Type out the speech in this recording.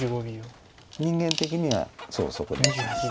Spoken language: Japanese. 人間的にはそうそこに打つんです。